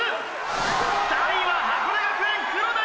３位は箱根学園黒田雪成選手！！